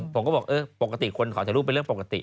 ผมก็บอกเออปกติคนขอถ่ายรูปเป็นเรื่องปกติ